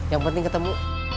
yang penting ketemu